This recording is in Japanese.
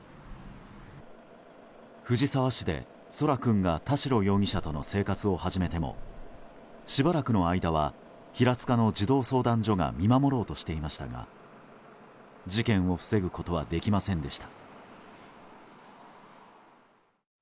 藤沢市で、空来君が田代容疑者との生活を始めてもしばらくの間は平塚の児童相談所が見守ろうとしていましたが事件を防ぐことはできませんでした。